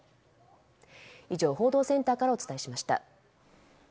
以上、報道センターからお伝えしました。